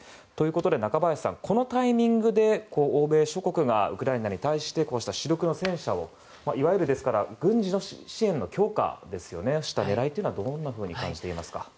中林さん、このタイミングで欧米諸国がウクライナに対してこうした主力の戦車をいわゆる軍事支援の強化をした狙いはどんなふうに感じていますか。